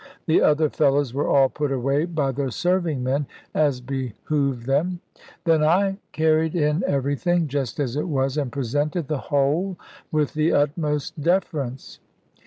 The other fellows were all put away by the serving men, as behoved them; then I carried in everything, just as it was, and presented the whole with the utmost deference.